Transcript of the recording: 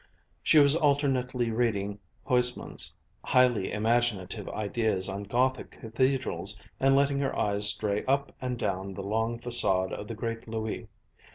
She was alternately reading Huysmans' highly imaginative ideas on Gothic cathedrals, and letting her eyes stray up and down the long façade of the great Louis.